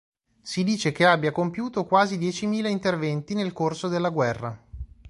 Si dice che abbia compiuto quasi diecimila interventi nel corso della guerra.